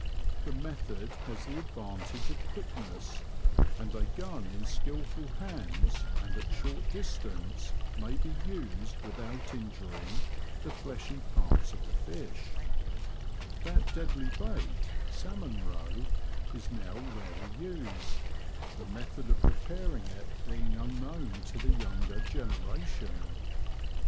The method has the advantage of quickness, and a gun in skilful hands and at short distance may be used without injuring the fleshy parts of the fish. That deadly bait, salmon row, is now rarely used, the method of preparing it being unknown to the younger The Confessions of a ^'Poacher, 105 generation.